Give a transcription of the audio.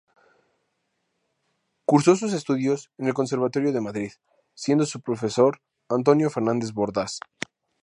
Cursó sus estudios en el Conservatorio de Madrid, siendo su profesor Antonio Fernández Bordas.